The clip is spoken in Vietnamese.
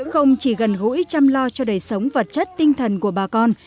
không chỉ gần gũi chăm lo cho đời sống vật chất tinh thần của bà con